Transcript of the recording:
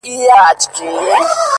کاڼی مي د چا په لاس کي وليدی _